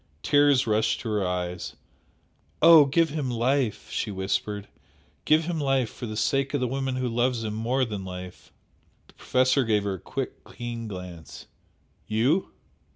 Tears rushed to her eyes "Oh, give him life!" she whispered "Give him life for the sake of the woman who loves him more than life!" The Professor gave her a quick, keen glance. "You?"